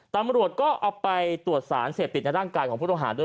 ตำรวจก็เอาไปตรวจสารเสพติดในร่างกายของผู้ต้องหาด้วย